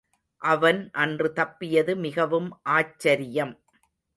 அவன் அன்று தப்பியது மிகவும் ஆச்சரியம்.